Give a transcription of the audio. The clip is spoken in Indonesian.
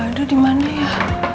aduh dimana ya